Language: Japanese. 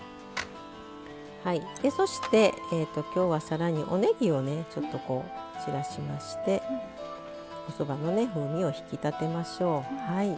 そして今日は更におねぎをねちょっと散らしましておそばの風味を引き立てましょう。